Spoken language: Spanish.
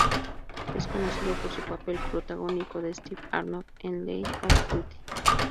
Es conocido por su papel protagónico de Steve Arnott en "Line of Duty".